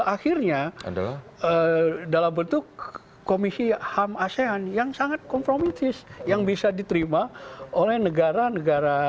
akhirnya dalam bentuk komisi ham asean yang sangat kompromitis yang bisa diterima oleh negara negara